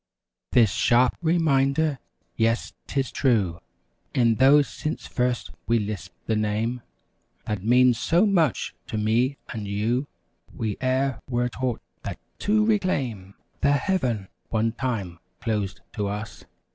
This sharp reminder! Yes, 'tis true! E'en though since first we lisped the Name That means so much to me and you. We e'er were taught, that, to reclaim The Heaven, one time closed to us.